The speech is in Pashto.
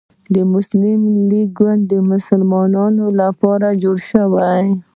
مسلم لیګ ګوند د مسلمانانو لپاره جوړ شو.